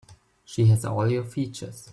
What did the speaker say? She has all your features.